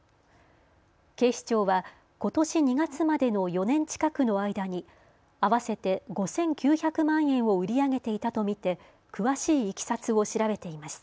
警視庁は、ことし２月までの４年近くの間に合わせて５９００万円を売り上げていたと見て詳しいいきさつを調べています。